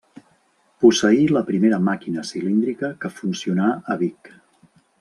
Posseí la primera màquina cilíndrica que funcionà a Vic.